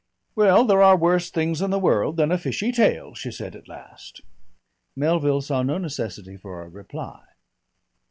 "Well, there are worse things in the world than a fishy tail," she said at last. Melville saw no necessity for a reply.